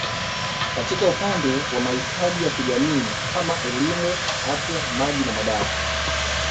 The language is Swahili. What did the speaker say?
Katika upande wa mahitaji ya kijamii kama elimu Afya Maji na madawa